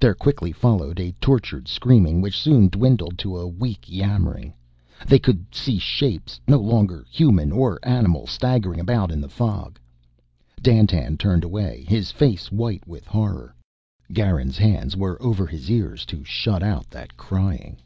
There quickly followed a tortured screaming, which soon dwindled to a weak yammering. They could see shapes, no longer human or animal, staggering about in the fog. Dandtan turned away, his face white with horror. Garin's hands were over his ears to shut out that crying.